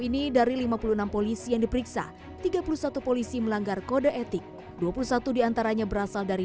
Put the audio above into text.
ini dari lima puluh enam polisi yang diperiksa tiga puluh satu polisi melanggar kode etik dua puluh satu diantaranya berasal dari